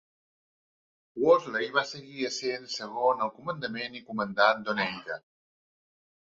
Woosley va seguir essent segon al comandament i comandant "d'Oneida".